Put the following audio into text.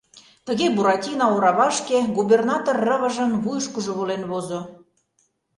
Тыге Буратино оравашке, губернатор Рывыжын вуйышкыжо волен возо.